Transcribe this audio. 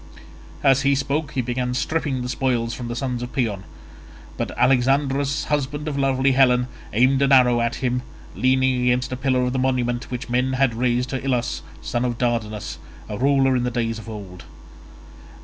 As he spoke he began stripping the spoils from the son of Paeon, but Alexandrus husband of lovely Helen aimed an arrow at him, leaning against a pillar of the monument which men had raised to Ilus son of Dardanus, a ruler in days of old.